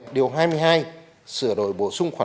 điều hai mươi hai sửa đổi bổ sung khoản